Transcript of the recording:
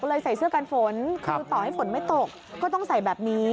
ใส่เสื้อกันฝนคือต่อให้ฝนไม่ตกก็ต้องใส่แบบนี้